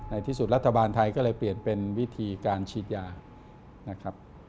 ในที่สุดรัฐบาลไทยก็เลยเปลี่ยนเป็นวิธีการฉีดยานะครับ